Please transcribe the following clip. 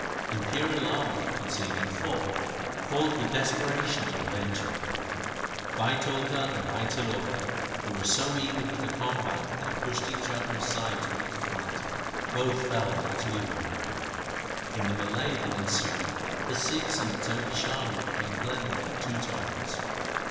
The imperial army, on seeing him fall, fought with desperation to avenge him. Bhai Tota and Bhai Tiloka, who were so eager for the combat that they pushed others aside to reach the front, both fell mortally wounded. In the melee that ensued the Sikhs and the Turkish army became blended like two torrents.